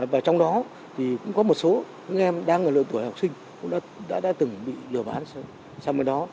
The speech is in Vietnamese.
và trong đó thì cũng có một số những em đang ở độ tuổi học sinh cũng đã từng bị dừa bán sang bên đó